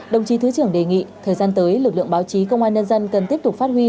đồng chí thứ trưởng đề nghị thời gian tới lực lượng báo chí công an nhân dân cần tiếp tục phát huy